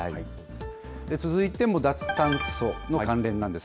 続いても脱炭素の関連なんです。